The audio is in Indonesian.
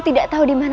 tidak tahu dimana